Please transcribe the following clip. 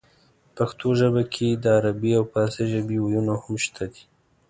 پښتو ژبې کې د عربۍ او پارسۍ ژبې وييونه هم شته دي